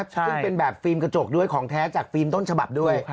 ซึ่งเป็นแบบฟิล์มกระจกด้วยของแท้จากฟิล์มต้นฉบับด้วย